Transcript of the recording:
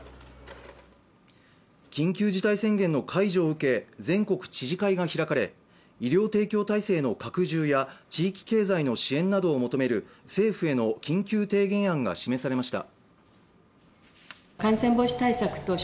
緊急事態宣言の解除を受け、全国知事会が開かれ、医療提供体制の拡充や地域経済の支援などを求める政府への緊急提言案が示されました。